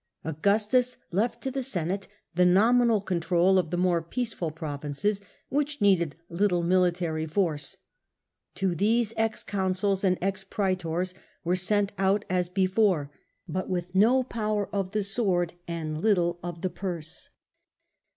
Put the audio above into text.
Augustus left to the Senate the nominal control of the more peace ful provinces, which needed little military force, senatorial To these ex consuls and ex praetors were sent provinces, out as before, but with no power of the sword and little of the purse.